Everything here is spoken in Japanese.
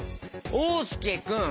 おうすけくん。